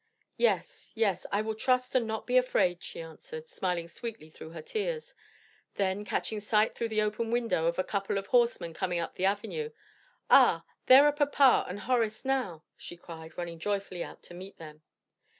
"Yes, yes, I will trust and not be afraid," she answered, smiling sweetly through her tears. Then catching sight, through the open window, of a couple of horsemen coming up the avenue, "Ah, there are papa and Horace now!" she cried, running joyfully out to meet them.